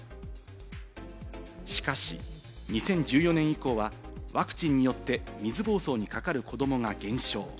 しかし、２０１４年以降はワクチンによって水ぼうそうにかかる子どもが減少。